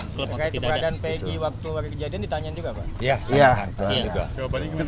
terkait keberadaan pi waktu kejadian ditanyain juga pak